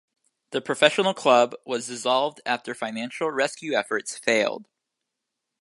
The professional club was dissolved after financial rescue efforts failed.